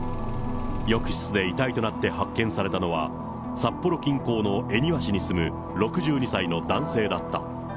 浴室で遺体となって発見されたのは、札幌近郊の恵庭市に住む６２歳の男性だった。